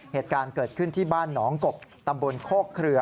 เหตุการณ์เกิดขึ้นที่บ้านหนองกบตำบลโคกเครือ